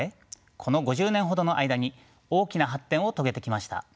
この５０年ほどの間に大きな発展を遂げてきました。